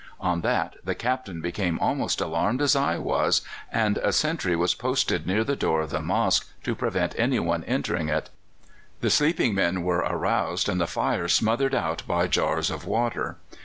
"On that the Captain became almost as alarmed as I was, and a sentry was posted near the door of the mosque to prevent anyone entering it. "The sleeping men were aroused, and the fire smothered out by jars of water.